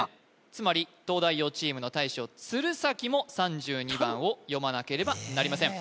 つまり東大王チームの大将・鶴崎も３２番を読まなければなりません